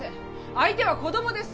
相手は子供です